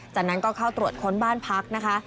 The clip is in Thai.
จากนั้นก็เข้าตรวจค้นบ้านพักนะคะ